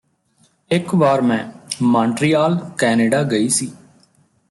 ਇਕ ਵਾਰ ਮੈਂ ਮਾਂਟ੍ਰੀਆਲ ਕੈਨੇਡਾ ਗਈ ਸੀ